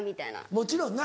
もちろんな。